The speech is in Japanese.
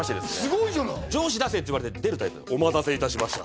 すごいじゃない「上司出せ」って言われて出るタイプの「お待たせいたしました」